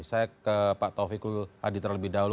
saya ke pak taufikul hadi terlebih dahulu